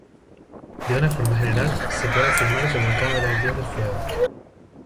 De una forma general, se puede afirmar que Vulcano era el dios del fuego.